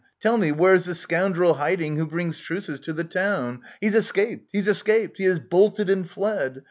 Tell me, where's the scoundrel hiding who brings truces to the town ? He's escaped ! He's escaped ! He has bolted and fled